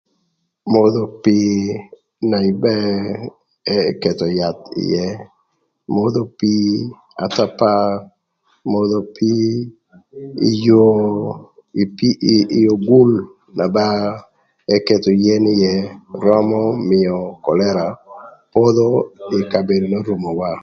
Modho pii na ba eketho yath ïë modho pii athapar modho pii ï yoo ï pii ï ogul na ba eketho yen ïë römö mïö kölëra podho ï kabedo n'orumowa.